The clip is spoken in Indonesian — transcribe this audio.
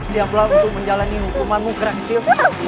siap lah untuk menjalani hukumanmu kereksil